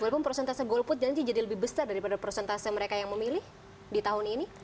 walaupun prosentase golput janji jadi lebih besar daripada prosentase mereka yang memilih di tahun ini